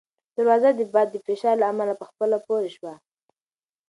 دروازه د باد د فشار له امله په خپله پورې شوه.